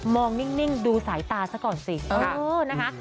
มองนิ่งดูสายตาซะก่อนสิเออนะคะ